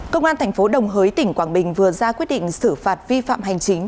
công an thành phố đồng hới tỉnh quảng bình vừa ra quyết định xử phạt vi phạm hành chính